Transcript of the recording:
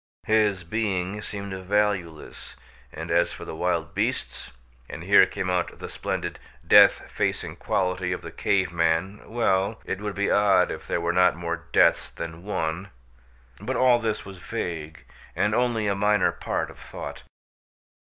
His being seemed valueless, and as for the wild beasts and here came out the splendid death facing quality of the cave man well, it would be odd if there were not more deaths than one! But all this was vague and only a minor part of thought.